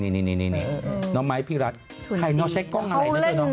น้องไมค์พี่รัฐใช้กล้องอะไรนะตัวน้อง